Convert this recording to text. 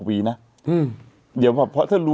เดี๋ยวแบบเพราะถ้ารู้